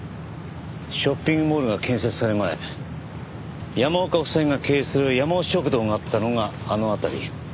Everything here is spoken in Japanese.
ショッピングモールが建設される前山岡夫妻が経営するやまお食堂があったのがあの辺り。